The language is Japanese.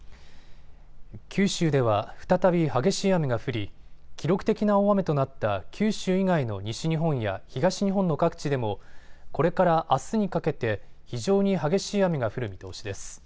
九州では再び激しい雨が降り記録的な大雨となった九州以外の西日本や東日本の各地でもこれからあすにかけて非常に激しい雨が降る見通しです。